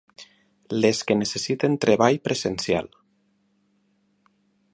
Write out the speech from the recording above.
Les que necessiten treball presencial.